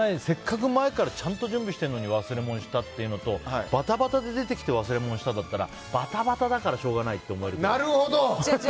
せっかく前からちゃんと準備してるのに忘れ物したっていうのとバタバタで出てきて忘れ物したんだったらバタバタだからなるほど！